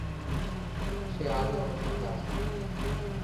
সে আজও আমার সাথে আছে।